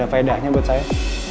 akhirnya buat saya